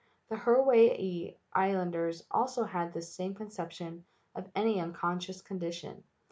The Hervey Islanders also had this same conception of any unconscious condition.